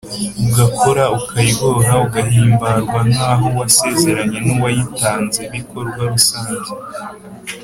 ugakora ukaryoha ugahimbarwa nk’aho wasezeranye n’uwayitanzebikorwa rusange